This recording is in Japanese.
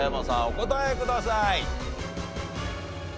お答えください。